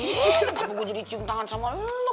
ih kenapa gue jadi cium tangan sama lo